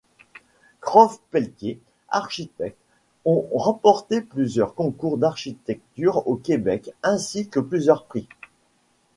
Croft Pelletier architectes on remporté plusieurs concours d'architecture au Québec ainsi que plusieurs prix.